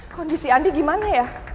kondisi andi gimana ya